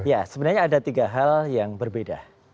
ya sebenarnya ada tiga hal yang berbeda